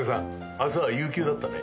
明日は有給だったね。